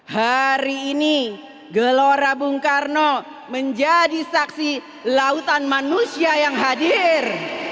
hari ini gelora bung karno menjadi saksi lautan manusia yang hadir